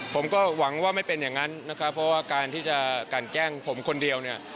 ผมก็หวังว่าไม่เป็นอย่างนั้นนะครับเพราะว่าการที่จะกันแกล้งผมคนเดียวเนี่ย